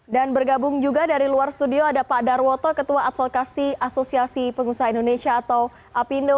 dan bergabung juga dari luar studio ada pak darwoto ketua advokasi asosiasi pengusaha indonesia atau apindo